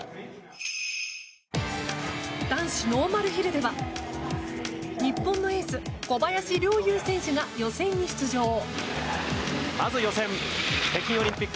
男子ノーマルヒルでは日本のエース小林陵侑選手が予選に出場。